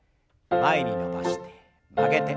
前に伸ばして曲げて。